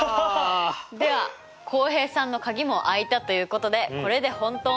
では浩平さんの鍵も開いたということでこれで本当のお開き。